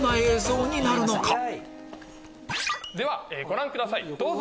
ではご覧くださいどうぞ！